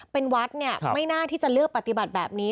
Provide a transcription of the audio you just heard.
เป็นวัดเนี่ยไม่น่าที่จะเลือกปฏิบัติแบบนี้